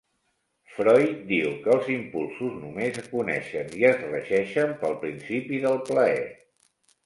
Freud diu que els impulsos només coneixen i es regeixen pel principi del plaer.